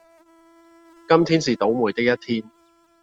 今天是倒楣的一天